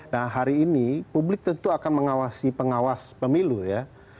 nah hari ini publik tentu akan mengawasi pengawas pemilu ya